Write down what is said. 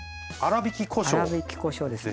粗びきこしょうですね。